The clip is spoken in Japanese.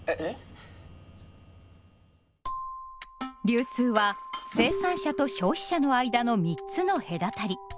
流通は生産者と消費者の間の３つの隔たり。